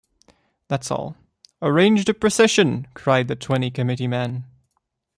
That’s all.’ ‘Arrange the procession,’ cried the twenty committee-men.